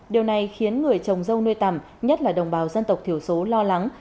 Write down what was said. điều này khiến người trồng dâu nuôi tầm nhất là đồng bào dân tộc thiểu số lo lắng